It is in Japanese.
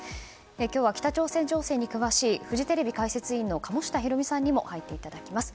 今日は北朝鮮情勢に詳しいフジテレビ解説委員の鴨下ひろみさんにも入っていただきます。